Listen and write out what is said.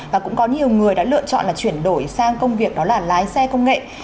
và cũng có nhiều người đã lựa chọn là chuyển đổi sang công việc đó là lái xe công nghệ